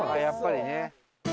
やっぱりね。